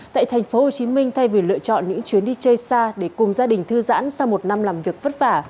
tại tp hcm thay vì lựa chọn những chuyến đi chơi xa để cùng gia đình thư giãn sau một năm làm việc vất vả